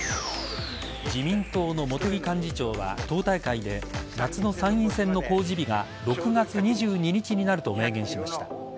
自民党の茂木幹事長は党大会で夏の参院選の公示日が６月２２日になると明言しました。